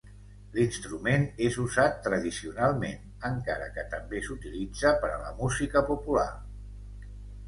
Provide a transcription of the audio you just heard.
L'instrument és usat tradicionalment, encara que també s'utilitza per a la música popular.